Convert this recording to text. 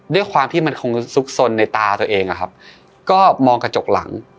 ด้วยความที่มันคงซุกสนในตาตัวเองอะครับก็มองกระจกหลัง